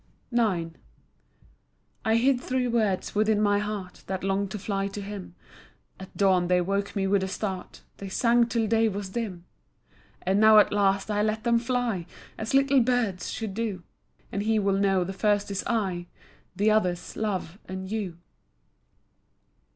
IX I hid three words within my heart, That longed to fly to him, At dawn they woke me with a start, They sang till day was dim. And now at last I let them fly, As little birds should do, And he will know the first is "I", The others "Love" and "You".